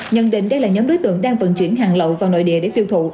nhân định đây là nhóm đối tượng đang vận chuyển hàng lầu vào nội địa để tiêu thụ